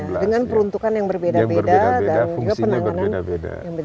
dengan peruntukan yang berbeda beda dan juga penanganan yang berbeda